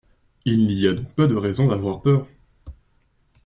Il n’y a donc pas de raison d’avoir peur.